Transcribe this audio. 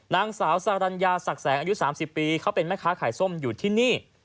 นางสาวสารัญญาศักดิ์แสงอายุ๓๐ปีเขาเป็นแม่ค้าขายส้มอยู่ที่นี่